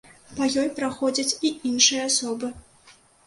Па ёй праходзяць і іншыя асобы.